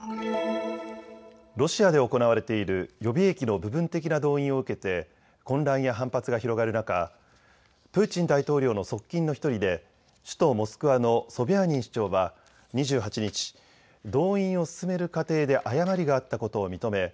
ロシアで行われている予備役の部分的な動員を受けて混乱や反発が広がる中、プーチン大統領の側近の１人で首都モスクワのソビャーニン市長は２８日、動員を進める過程で誤りがあったことを認め